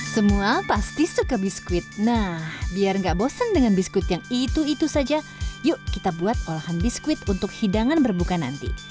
semua pasti suka biskuit nah biar gak bosen dengan biskuit yang itu itu saja yuk kita buat olahan biskuit untuk hidangan berbuka nanti